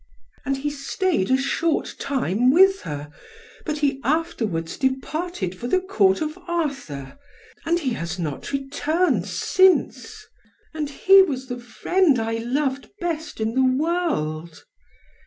And he staid a short time with her, but he afterwards departed for the Court of Arthur, and he has not returned since. And he was the friend I loved best in the world.